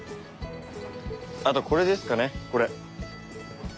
あとこれですかねこれ。